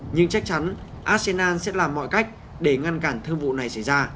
nhưng chắc chắn arsenal sẽ làm mọi cách để ngăn cản thương vụ này